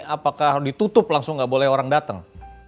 apakah ditutup langsung nggak boleh orang datang